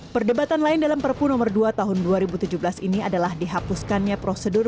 perdebatan lain dalam perpu nomor dua tahun dua ribu tujuh belas ini adalah dihapuskannya prosedur